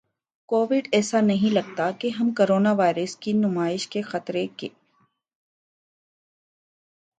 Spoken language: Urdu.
کوویڈ ایسا نہیں لگتا کہ ہم کورونا وائرس کی نمائش کے خطرے ک